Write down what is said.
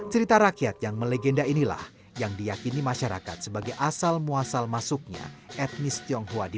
cerita rakyat yang melegenda inilah yang diyakini masyarakat sebagai asal muasal masuknya etnis tionghoa di